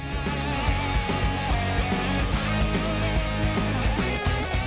tujuh medali berhasil dikantongi termasuk satu medali emas dari nomor street putra